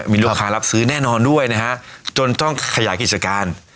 มีลูกค้ารับซื้อแน่นอนด้วยนะฮะจนต้องขยายกิจการ